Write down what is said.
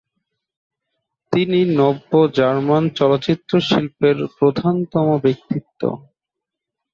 তিনি নব্য জার্মান চলচ্চিত্র শিল্পের প্রধানতম ব্যক্তিত্ব।